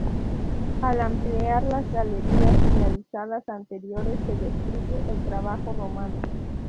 Al ampliar las galerías realizadas anteriores se destruye el trabajo romano.